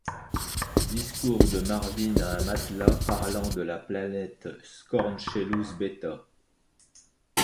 Discours de Marvin à un matelas parlant de la planète Sqornshellous Bêta.